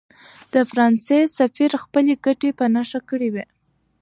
د فرانسې سفیر خپلې ګټې په نښه کړې وې.